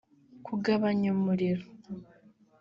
Kugabanya umuriro